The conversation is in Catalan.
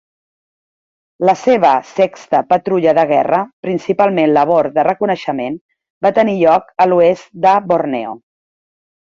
La seva sexta patrulla de guerra, principalment labor de reconeixement, va tenir lloc a l'oest de Borneo.